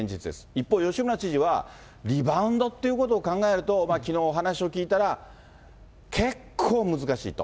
一方、吉村知事は、リバウンドっていうことを考えると、きのうお話を聞いたら、結構難しいと。